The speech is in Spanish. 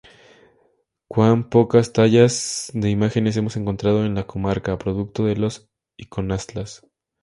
Cuán pocas tallas de imágenes hemos encontrado en la comarca, producto de los iconoclastas.